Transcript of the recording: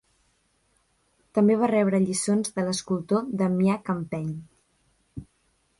També va rebre lliçons de l'escultor Damià Campeny.